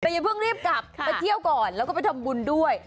แต่อย่าเพิ่งรีบกลับไปเที่ยวก่อนแล้วก็ไปทำบุญด้วย